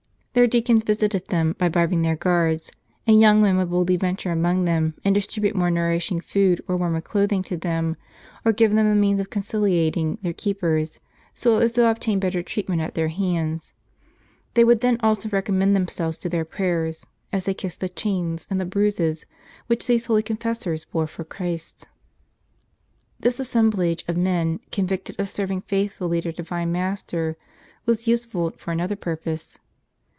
Their deacons visited them, by bribing their guards; and young men would boldly venture among them, and distribute more nourishing food, or warmer clothing to them, or give them the means of conciliating their keepers, so as to obtain better treatment at their hands. They would then also recommend themselves to their prayers, as they kissed the chains and the bruises, which these holy confessors bore for Christ. This assemblage of men, convicted of serving faithfully their divine Master, was useful for another purpose.